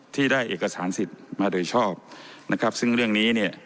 ที่ได้เอกสารสิทธิ์มาโดยชอบนะครับซึ่งเรื่องนี้เนี่ย